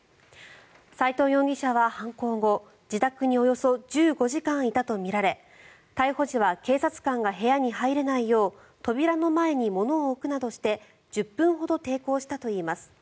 斎藤容疑者は犯行後、自宅におよそ１５時間いたとみられ逮捕時は警察官が部屋に入れないよう扉の前に物を置くなどして１０分ほど抵抗したといいます。